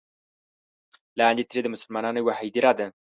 لاندې ترې د مسلمانانو یوه هدیره ده.